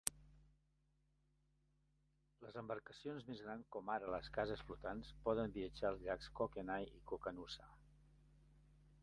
Les embarcacions més grans com ara cases flotants poden viatjar als llacs Kootenay i Koocanusa.